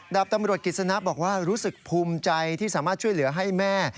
ดาบตำรวจกิจสนะบอกว่ารู้สึกภูมิใจที่สามารถช่วยเหลือให้แม่